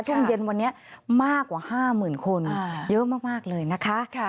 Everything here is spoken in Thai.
ช่วงเย็นวันนี้มากกว่า๕๐๐๐คนเยอะมากเลยนะคะ